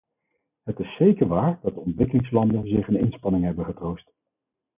Het is zeker waar dat de ontwikkelingslanden zich een inspanning hebben getroost.